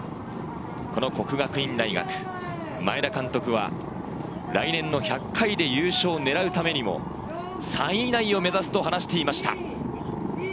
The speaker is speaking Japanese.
この國學院大學、前田監督は来年の１００回で優勝をねらうためにも、３位以内を目指すと話していました。